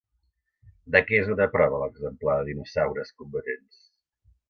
De què és una prova l'exemplar de «dinosaures combatents»?